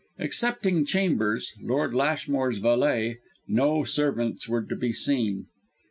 Excepting Chambers, Lord Lashmore's valet, no servants were to be seen.